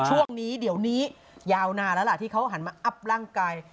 ช่วงนี้เดี๋ยวนี้ยาวนานแล้วล่ะที่เขาหันมาอัพร่างกาย